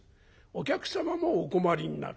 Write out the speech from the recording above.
お客様もお困りになる。